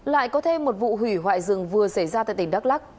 lại có thêm một vụ hủy hoại rừng vừa xảy ra tại tỉnh đắk lắc